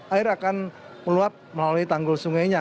air akan meluap melalui tanggul sungainya